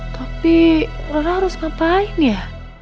tapi rona harus ngapain ya